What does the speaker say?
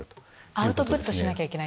アウトプットしなきゃいけない。